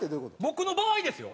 僕の場合ですよ